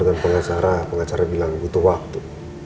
dan pengacara bilang butuh waktu